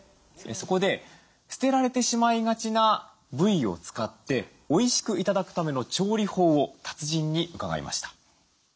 そこで捨てられてしまいがちな部位を使っておいしく頂くための調理法を達人に伺いました。